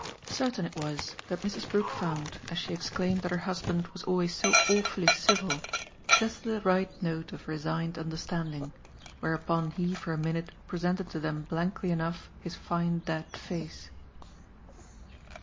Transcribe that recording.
Certain it was that Mrs. Brook found, as she exclaimed that her husband was always so awfully civil, just the right note of resigned understanding; whereupon he for a minute presented to them blankly enough his fine dead face.